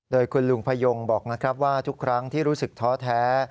โดยคุณลุงพยงบอกนะครับว่าทุกครั้งที่รู้สึกท้อแท้